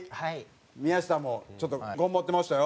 宮下もちょっと頑張ってましたよ。